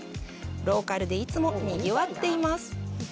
ローカルでいつもにぎわっています。